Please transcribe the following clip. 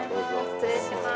失礼します。